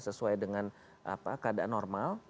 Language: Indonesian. sesuai dengan keadaan normal